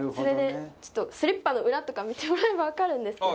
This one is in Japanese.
ちょっとスリッパの裏とか見てもらえばわかるんですけど。